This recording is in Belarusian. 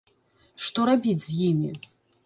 Што рабіць з імі?